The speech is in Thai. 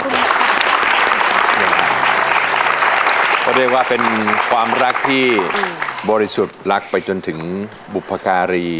ก็เรียกว่าเป็นความรักที่บริสุทธิ์รักไปจนถึงบุพการี